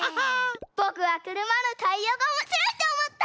ぼくはくるまのタイヤがおもしろいとおもった！